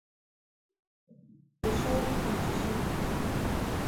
فشار پیچشی